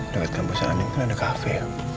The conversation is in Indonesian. dekat kampus andien kan ada kafe